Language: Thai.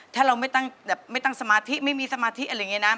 ถ้าเราไม่ตั้งสมาธิไม่มีสมาธิอะไรอย่างนี้นะ